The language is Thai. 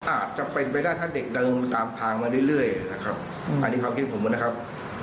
อาจจะเป็นไปได้ถ้าเด็กเดินตามทางมาเรื่อยนะครับอันนี้ความคิดผมนะครับ